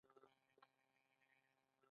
هڅه او زحمت انسان بریا ته رسوي.